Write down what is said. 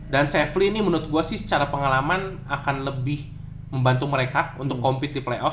dan sefli menurut gua sih secara pengalaman akan lebih membantu mereka untuk compete di playoff